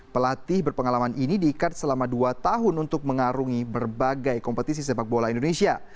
pelatih berpengalaman ini diikat selama dua tahun untuk mengarungi berbagai kompetisi sepak bola indonesia